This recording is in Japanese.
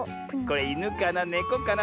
いぬかなねこかな。